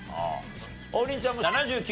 王林ちゃん７９。